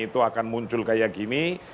itu akan muncul kayak gini